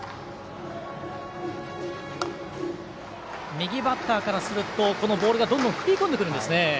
右バッターからするとこのボールがどんどん食い込んでくるんですね。